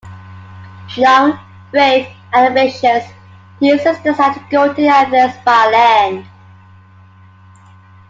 Young, brave and ambitious, Theseus decided to go to Athens by land.